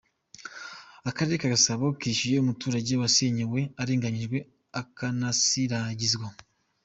Akarere ka Gasabo kishyuye umuturage wasenyewe arenganyijwe akanasiragizwa.